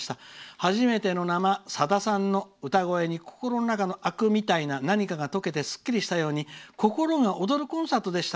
初めての生さださんの歌声に心の中のあくみたいな何かが溶けてすっきりしたように心が躍るコンサートでした」。